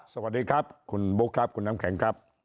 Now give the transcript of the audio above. สวัสดีครับคุณบุ๊คครับคุณน้ำแข็งครับ